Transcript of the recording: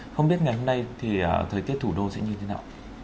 không biết ngày hôm nay thì thời tiết thủ đô sẽ như thế nào